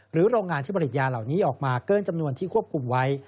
โรงงานที่ผลิตยาเหล่านี้ออกมาเกินจำนวนที่ควบคุมไว้